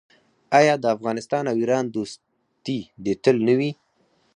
آیا د افغانستان او ایران دوستي دې تل نه وي؟